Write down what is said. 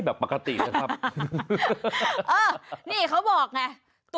ยังดีนะแคโต๊ะวอลเลบอล